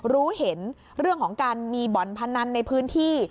รู้เห็นเรื่องของการมีบ่อนพนันในพื้นที่